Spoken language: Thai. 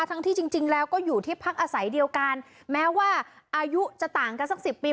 ทั้งที่จริงจริงแล้วก็อยู่ที่พักอาศัยเดียวกันแม้ว่าอายุจะต่างกันสักสิบปี